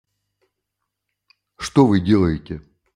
Что Вы делаете?